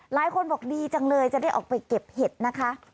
หลายคนบอกดีจังเลยจะได้ออกไปเก็บเห็ดนะคะ